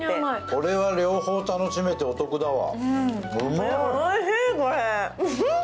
これは両方楽しめてお得だわ。